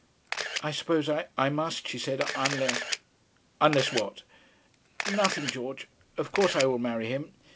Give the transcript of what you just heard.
'I suppose I must,' she said; 'unless ' 'Unless what?' 'Nothing, George. Of course I will marry him.